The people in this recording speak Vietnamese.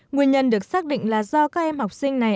nguyên nhân được xác định là do các em học sinh này